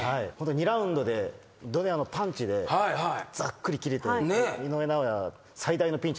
２ラウンドでドネアのパンチでざっくり切れて井上尚弥最大のピンチだったんですけど。